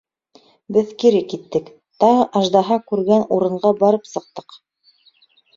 Беҙ кире киттек, тағы аждаһа күргән урынға барып сыҡтыҡ.